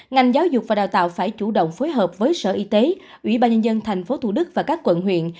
ngành giáo dục và đào tạo phải chủ động phối hợp với sở y tế ủy ban nhân dân tp thủ đức và các quận huyện